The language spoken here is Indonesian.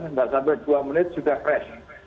enggak sampai dua menit sudah crash